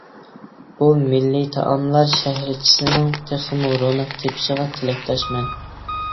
بۇ مىللىي تائاملار شەھەرچىسىنىڭ تېخىمۇ روناق تېپىشىغا تىلەكداشمەن.